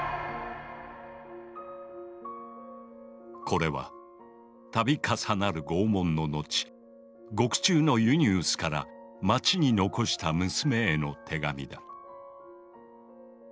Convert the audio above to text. これは度重なる拷問の後獄中のユニウスから町に残した娘への手紙だ。